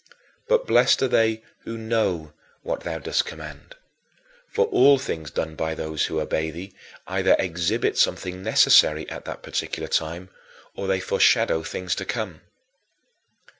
But blessed are they who know what thou dost command. For all things done by those who obey thee either exhibit something necessary at that particular time or they foreshow things to come.